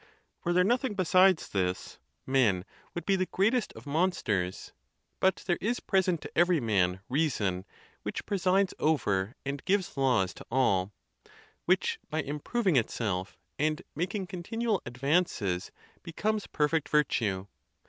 Were there nothing besides this, men would be the greatest of mon sters ; but there is present to every man reason, which pre sides over and gives laws to all; which, by improving it _ self, and making continual advances, becomes perfect vir tue.